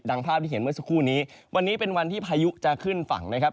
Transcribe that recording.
ภาพที่เห็นเมื่อสักครู่นี้วันนี้เป็นวันที่พายุจะขึ้นฝั่งนะครับ